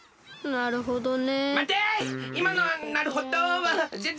なるほどね。